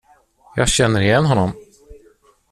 Jag känner igen honom.